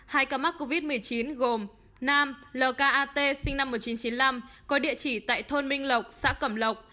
hai ca mắc covid một mươi chín gồm nam lk at sinh năm một nghìn chín trăm chín mươi năm có địa chỉ tại thôn minh lộc xã cẩm lộc